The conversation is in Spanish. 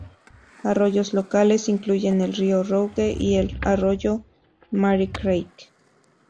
Arroyos locales incluyen el río Rouge y el arroyo Mare Creek.